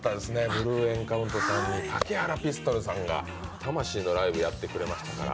ＢＬＵＥＥＮＣＯＵＮＴさんに竹原ピストルさんが魂のライブやってくれましたから。